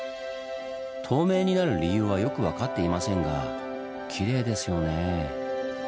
透明になる理由はよく分かっていませんがきれいですよね。